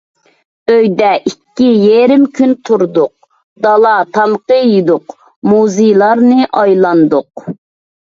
ئۆيىدە ئىككى يېرىم كۈن تۇردۇق، دالا تامىقى يېدۇق، مۇزېيلارنى ئايلاندۇق.